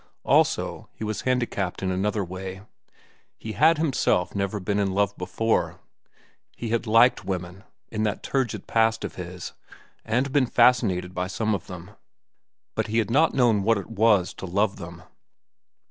Also he was handicapped in another way. He had himself never been in love before. He had liked women in that turgid past of his, and been fascinated by some of them, but he had not known what it was to love them.